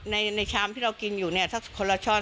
ในชามที่เรากินอยู่เนี่ยสักคนละช่อน